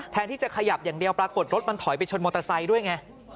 ที่จะขยับอย่างเดียวปรากฏรถมันถอยไปชนมอเตอร์ไซค์ด้วยไง